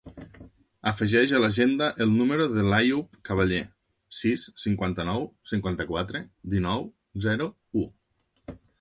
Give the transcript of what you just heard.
Afegeix a l'agenda el número de l'Àyoub Caballer: sis, cinquanta-nou, cinquanta-quatre, dinou, zero, u.